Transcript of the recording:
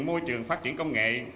môi trường phát triển công nghệ